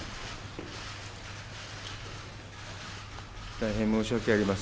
大変申しわけありません。